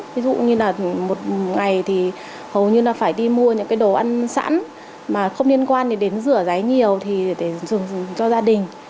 ví dụ như là một ngày thì hầu như là phải đi mua những cái đồ ăn sẵn mà không liên quan đến rửa giấy nhiều thì để dùng cho gia đình